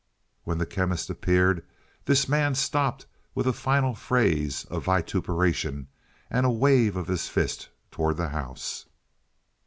When the Chemist appeared this man stopped with a final phrase of vituperation and a wave of his fist towards the house.